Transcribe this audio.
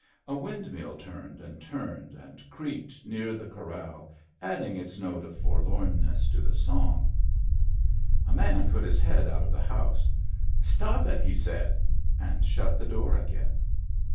A windmill turned and turned and creaked near the corral, adding its note of forlomness to the song. A man put his head out of the house. " Stop it," he said, and shut the door again.